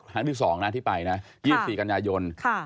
ทางที่๒ที่ไป๒๔กันยายน